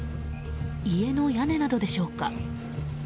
家の屋根などでしょうか。